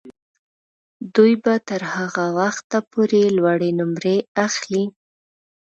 دوی به تر هغه وخته پورې لوړې نمرې اخلي.